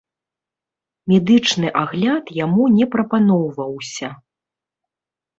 Медычны агляд яму не прапаноўваўся.